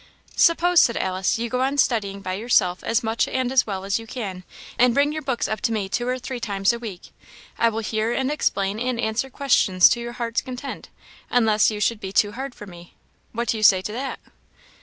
"Suppose," said Alice, "you go on studying by yourself as much and as well as you can, and bring your books up to me two or three times a week; I will hear and explain and answer questions to your heart's content, unless you should be too hard for me. What do you say to that?"